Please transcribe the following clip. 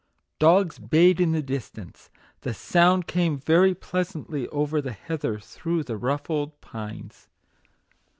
Dogs bayed in the dis tance; the sound came very pleasantly over the heather through the rough old pines.